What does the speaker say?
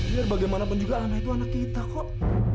biar bagaimanapun juga anak itu anak kita kok